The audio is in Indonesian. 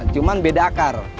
cuma beda akar